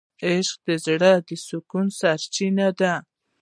عشق د زړه د سکون سرچینه ده.